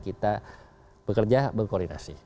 kita bekerja berkoordinasi